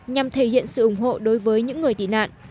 nhằm thể hiện sự ủng hộ đối với những người tị nạn